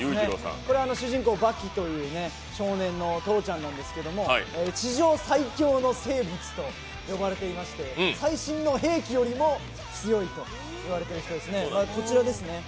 これは主人公・刃牙という少年の父ちゃんなんですが地上最強の生物と呼ばれていまして、最新の兵器よりも強いと言われている人ですね。